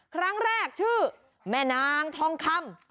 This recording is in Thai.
ครั้งแรกชื่อแม่นางทองคำ